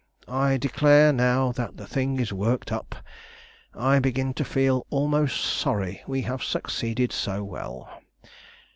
I declare, now that the thing is worked up, I begin to feel almost sorry we have succeeded so well.